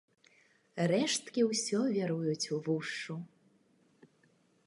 Рэшткі ўсё віруюць увушшу.